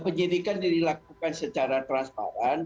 penyelidikan dilakukan secara transparan